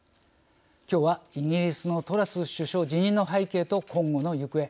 今日はイギリスのトラス首相辞任の背景と今後の行方。